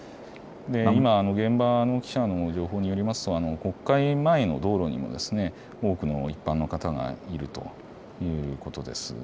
今、現場の記者の情報によりますと国会前の道路にも多くの一般の方がいるということです。